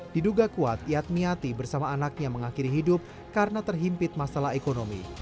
diduga kuat yadmiati bersama anaknya mengakhiri hidup karena terhimpit masalah ekonomi